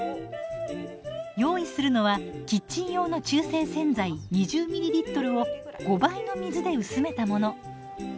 用意するのはキッチン用の中性洗剤２０ｍｌを５倍の水で薄めたもの。